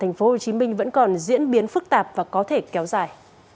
tình hình dịch bệnh trên địa bàn tp hcm vẫn còn diễn biến phức tạp và có thể kéo dài